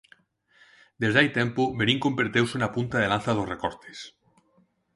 Desde hai tempo Verín converteuse na punta de lanza dos recortes.